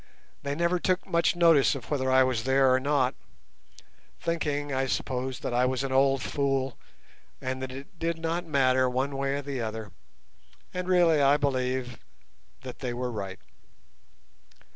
They never took much notice of whether I was there or not, thinking, I suppose, that I was an old fool, and that it did not matter one way or the other, and really I believe that they were right.